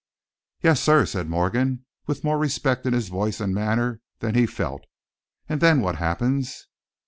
"Yes, sir," said Morgan, with more respect in his voice and manner than he felt. "And then what happens?"